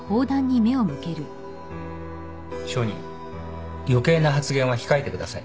証人余計な発言は控えてください。